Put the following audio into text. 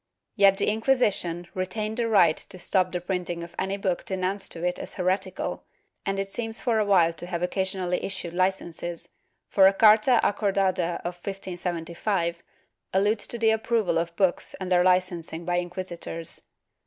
^ Yet the Inquisition retained the right to stop the printing of any book denounced to it as heretical, and it seems for awhile to have occasionally issued licences, for a carta acordada of 1575 alludes to the approval of books and their licensing by inquisitors.